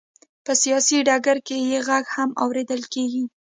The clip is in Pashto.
په سیاسي ډګر کې یې غږ هم اورېدل کېږي.